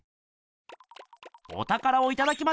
おたからをいただきましょう。